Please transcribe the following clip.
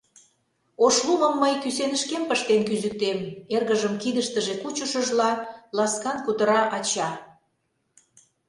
— Ошлумым мый кӱсенышкем пыштен кӱзыктем, — эргыжым кидыштыже кучышыжла, ласкан кутыра ача.